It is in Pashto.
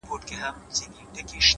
• هم دنیا هم یې عقبی دواړه بادار وي ,